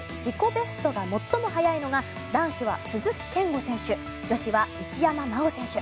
ベストが最も速いのが男子は鈴木健吾選手女子は一山麻緒選手。